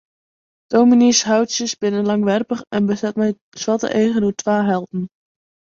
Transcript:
Dominyshoutsjes binne langwerpich en beset mei swarte eagen oer twa helten.